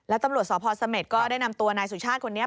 แล้วตำรวจสพเสม็ดก็ได้นำตัวนายสุชาติคนนี้